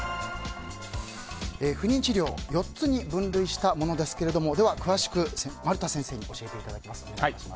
不妊治療４つに分類したものですけども詳しく丸田先生に教えていただきます。